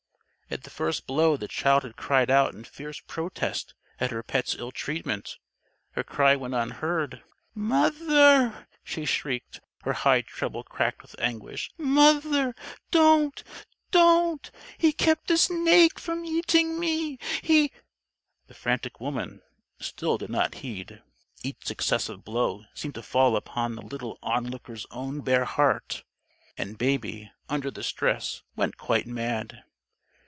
At the first blow the child had cried out in fierce protest at her pet's ill treatment. Her cry went unheard. "Mother!" she shrieked, her high treble cracked with anguish. "Mother! Don't! Don't! He kept the snake from eating me! He !" The frantic woman still did not heed. Each successive blow seemed to fall upon the little onlooker's own bare heart. And Baby, under the stress, went quite mad.